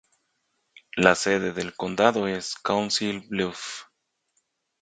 La sede del condado es Council Bluffs.